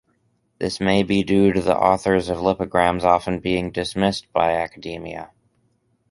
This may be due to the authors of lipograms often being dismissed by academia.